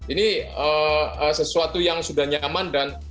ini sesuatu yang sudah nyaman dan